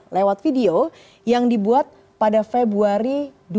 lewat video yang dibuat pada februari dua ribu dua puluh